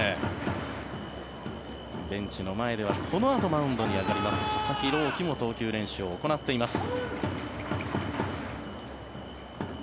ベンチの前ではこのあとマウンドに上がります佐々木朗希も投球練習を行っています。